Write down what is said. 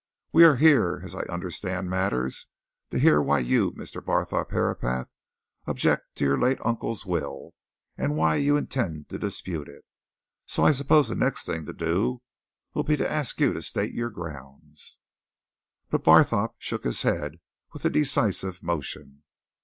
We are here, as I understand matters, to hear why you, Mr. Barthorpe Herapath, object to your late uncle's will, and why you intend to dispute it. So I suppose the next thing to do will be to ask you to state your grounds." But Barthorpe shook his head with a decisive motion.